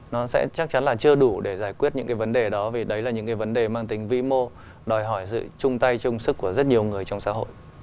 nó sẽ chắc chắn là chưa đủ để giải quyết những cái vấn đề đó vì đấy là những cái vấn đề mang tính vĩ mô đòi hỏi sự chung tay chung sức của rất nhiều người trong xã hội